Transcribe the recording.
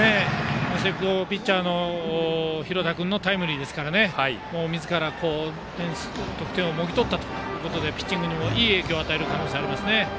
何せ、ピッチャーの廣田君のタイムリーですからみずから得点をもぎ取ったということでピッチングにもいい影響を与える可能性があります。